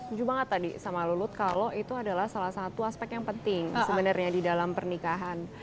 lucu banget tadi sama lulut kalau itu adalah salah satu aspek yang penting sebenarnya di dalam pernikahan